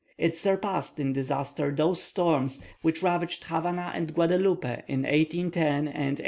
It surpassed in disaster those storms which ravaged Havana and Guadeloupe in 1810 and 1825.